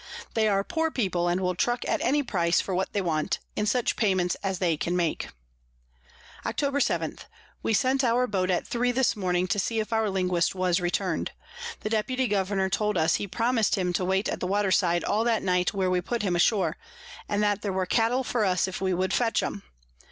They are poor People, and will truck at any Price for what they want, in such Payments as they can make. [Sidenote: In the Bay of St. Vincent.] Octob. 7. We sent our Boat at Three this Morning to see if our Linguist was return'd. The Deputy Governour told us he promis'd him to wait at the Water side all that night where we put him ashore, and that there were Cattel for us if we would fetch 'em.